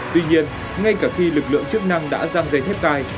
tuy nhiên ngay cả khi lực lượng chức năng đã giam giấy thép cai